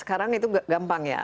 sekarang itu gampang ya